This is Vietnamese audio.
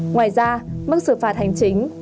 ngoài ra mức xử phạt hành chính